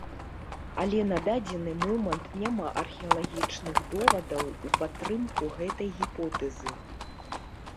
Але на дадзены момант няма археалагічных довадаў у падтрымку гэтай гіпотэзы.